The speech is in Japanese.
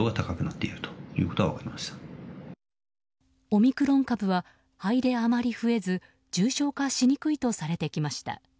オミクロン株は肺であまり増えず重症化しにくいとされてきました。